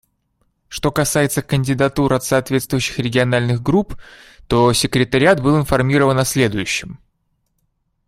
Что касается кандидатур от соответствующих региональных групп, то Секретариат был информирован о следующем.